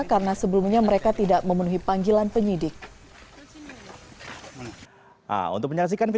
karena sebelumnya mereka tidak memenuhi panggilan penyidik